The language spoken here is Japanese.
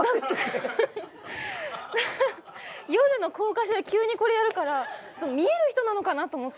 夜の高架下で急にこれやるから見える人なのかなと思って。